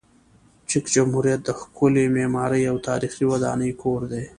چک جمهوریت د ښکلې معماري او تاریخي ودانۍ کور دی.